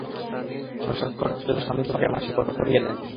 সংসার-খরচের জন্য স্বামী তোমাকে মাসে কত করিয়া দেন?